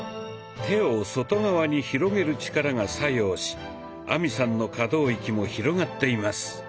手を外側に広げる力が作用し亜美さんの可動域も広がっています。